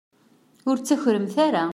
Ur ttakremt ara.